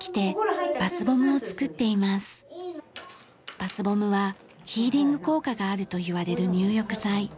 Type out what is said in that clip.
バスボムはヒーリング効果があるといわれる入浴剤。